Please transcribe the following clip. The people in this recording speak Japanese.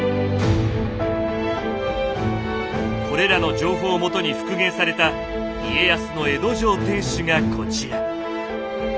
これらの情報をもとに復元された家康の江戸城天守がこちら。